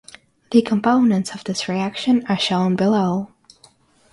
The components of this reaction are shown below.